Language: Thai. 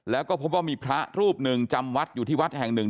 แล้วก็พบว่ามีพระรูปหนึ่งจำวัดอยู่ที่วัดแห่งหนึ่ง